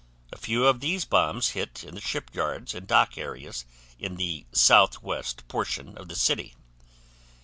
A few of these bombs hit in the shipyards and dock areas in the southwest portion of the city.